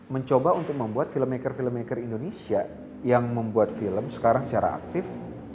mencoba untuk membuat filmmaker filmmaker indonesia yang membuat film sekarang secara aktif